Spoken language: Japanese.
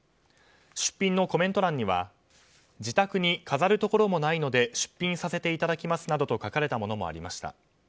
出品のコメント欄には自宅に飾るところもないので出品させていただきますなどと書かれたものもありました。